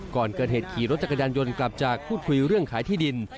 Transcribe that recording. ก่อนเกิดเหตุขี่รถจักรยานยนต์กลับจากพูดคุยเรื่องขายที่ดิน